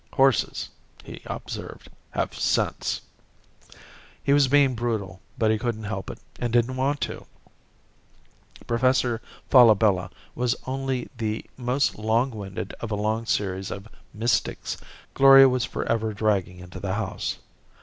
"Horses," he observed, "have sense." He was being brutal, but he couldn't help it and didn't want to. Professor Falabella was only the most long winded of a long series of mystics Gloria was forever dragging into the house.